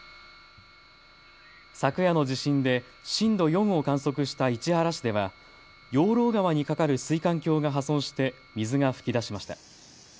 昨夜の地震で震度４を観測した市原市では養老川に架かる水管橋が破損して水が噴き出しました。